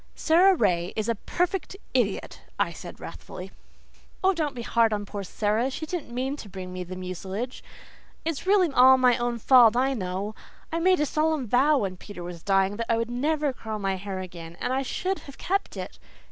"Sara Ray is a perfect idiot," I said wrathfully "Oh, don't be hard on poor Sara. She didn't mean to bring me mucilage. It's really all my own fault, I know. I made a solemn vow when Peter was dying that I would never curl my hair again, and I should have kept it.